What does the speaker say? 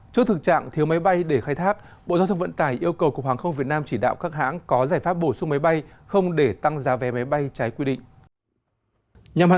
trước thực trạng thiếu máy bay để khai thác bộ giao thông vận tải yêu cầu cục hàng không việt nam chỉ đạo các hãng có giải pháp bổ sung máy bay không để tăng giá vé máy bay trái quy định